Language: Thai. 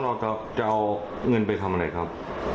เราจะเอาเงินไปทำอะไรครับ